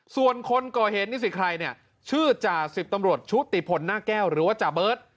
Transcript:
ส่วนคนก่อเหตุนิสิทธิ์ใครชื่อจ่า๑๐ตำรวจชุดติดผลหน้าแก้วหรือว่าจ่าเบิร์ต